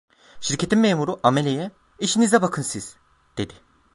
Şirketin memuru, ameleye: "İşinize bakın siz!" dedi.